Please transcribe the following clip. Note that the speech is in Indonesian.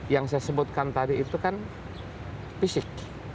yang saya sebutkan tadi itu kan fisik